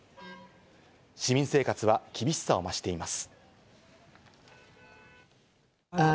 市民生活は厳しさを増しています。